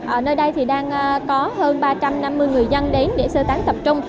ở nơi đây thì đang có hơn ba trăm năm mươi người dân đến để sơ tán tập trung